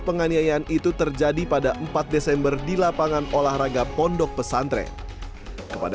penganiayaan itu terjadi pada empat desember di lapangan olahraga pondok pesantren kepada